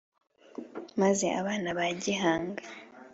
maze abana ba gihanga